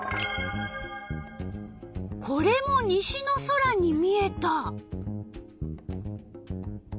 これも西の空に見えた。